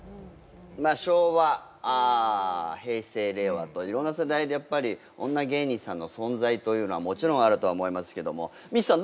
昭和平成令和といろんな世代でやっぱり女芸人さんの存在というのはもちろんあるとは思いますけどもミッツさん